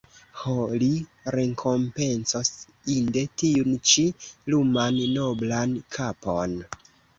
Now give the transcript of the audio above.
Ho, li rekompencos inde tiun ĉi luman noblan kapon!